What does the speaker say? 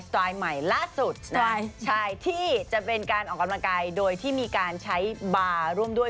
ไตล์ใหม่ล่าสุดที่จะเป็นการออกกำลังกายโดยที่มีการใช้บาร์ร่วมด้วย